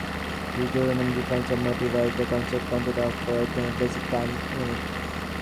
Hugo Riemann defines a motif as, the concrete content of a rhythmically basic time-unit.